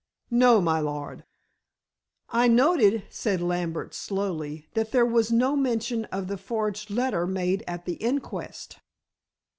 "No, my lord." "I noted," said Lambert slowly, "that there was no mention of the forged letter made at the inquest."